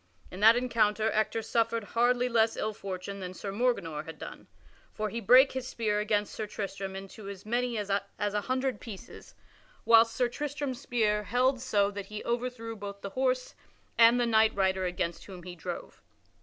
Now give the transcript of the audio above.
In that encounter Ector suffered hardly less ill fortune than Sir Morganor had done. For he brake his spear against Sir Tristram into as many as an hundred pieces, whilst Sir Tristram's spear held so that he overthrew both the horse and the knight rider against whom he drove.